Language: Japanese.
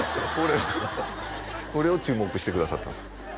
はいこれを注目してくださってます